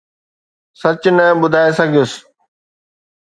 سچ نه ٻڌائي سگهيس.